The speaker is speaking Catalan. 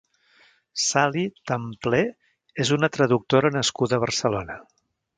Sally Templer és una traductora nascuda a Barcelona.